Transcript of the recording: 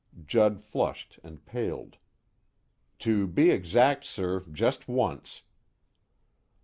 Judd flushed and paled. "To be exact, sir, just once."